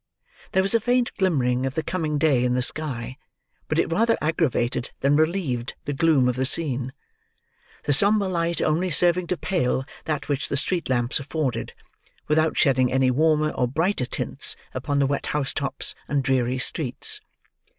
There was a faint glimmering of the coming day in the sky; but it rather aggravated than relieved the gloom of the scene: the sombre light only serving to pale that which the street lamps afforded, without shedding any warmer or brighter tints upon the wet house tops, and dreary streets.